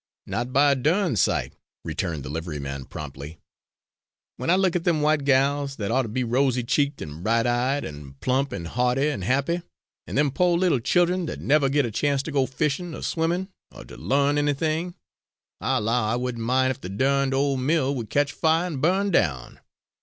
"Not by a durn sight," returned the liveryman promptly. "When I look at them white gals, that ought to be rosy cheeked an' bright eyed an' plump an' hearty an' happy, an' them po' little child'en that never get a chance to go fishin' or swimmin' or to learn anything, I allow I wouldn' mind if the durned old mill would catch fire an' burn down.